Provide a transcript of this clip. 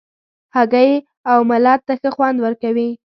هګۍ اوملت ته ښه خوند ورکوي.